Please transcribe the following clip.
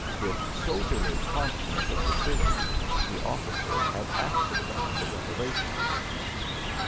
With soldierly promptness of decision the officer had acted on the revelation.